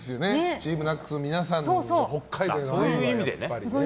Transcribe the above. ＴＥＡＭＮＡＣＳの皆さんの北海道への愛はね。